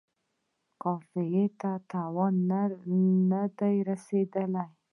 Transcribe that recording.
قافیې ته تاوان نه دی رسیدلی.